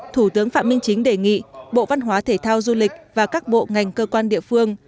thủ tướng phạm minh chính đề nghị bộ văn hóa thể thao du lịch và các bộ ngành cơ quan địa phương